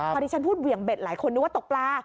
พอดิฉันพูดเหวี่ยงเบ็ดหลายคนนึกว่าตกปลา